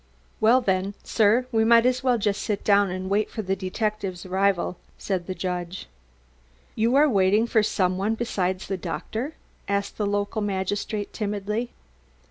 "Well, then, sir, we might just as well sit down and wait for the detective's arrival," said the judge. "You are waiting for some one besides the doctor?" asked the local magistrate timidly.